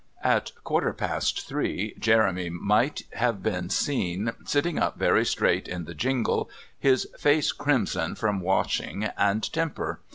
At quarter past three Jeremy might have been seen sitting up very straight in the jingle, his face crimson from washing and temper.